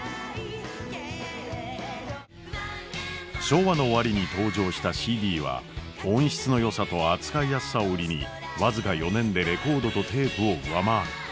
昭和の終わりに登場したＣＤは音質のよさと扱いやすさを売りに僅か４年でレコードとテープを上回る。